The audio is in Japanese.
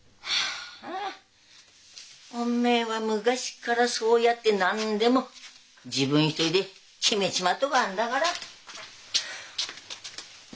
あおめえは昔からそうやって何でも自分一人で決めちまうとこあんだがら。